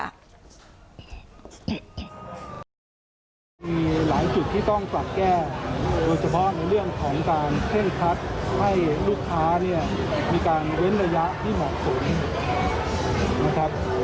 มีหลายจุดที่ต้องปรับแก้โดยเฉพาะในเรื่องของการเคร่งคัดให้ลูกค้าเนี่ยมีการเว้นระยะที่เหมาะสมนะครับ